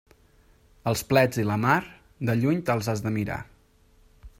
Els plets i la mar, de lluny te'ls has de mirar.